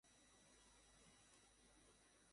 তাদেরকে বলবো যে তুমি কোথায় আছো, ঠিক আছে?